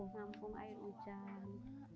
ngampung air hujan